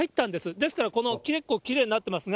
ですから、この、結構きれいになっていますが。